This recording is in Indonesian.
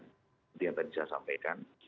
tentunya tadi saya sampaikan